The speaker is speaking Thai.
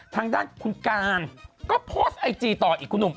ทางด้านคุณการก็โพสต์ไอจีต่ออีกคุณหนุ่ม